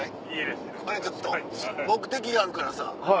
これちょっと目的があるからさ